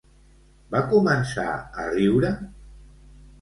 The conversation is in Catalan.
Va començar a riure?